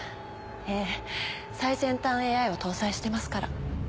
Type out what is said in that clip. ええ最先端ＡＩを搭載してますから。